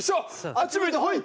あっち向いてホイ。